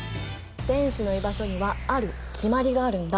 電子の居場所にはある決まりがあるんだ。